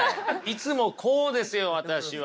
いつもこうですよ私は。